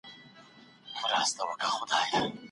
د املا تمرین د زده کوونکو ذهن روښانه کوي.